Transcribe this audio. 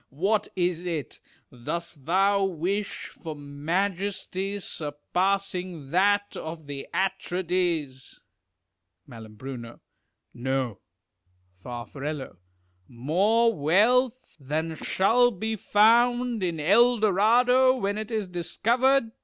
What is it ? Dost thou wish for majesty surpassing that of the Atrides ? Mai No. Far. More wealth than shall be found in El Dorado, when it is discovered